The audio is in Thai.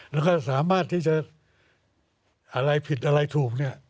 แล้วก็สามารถที่จะอะไรผิดอะไรถูกเนี่ย